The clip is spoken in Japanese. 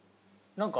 何か。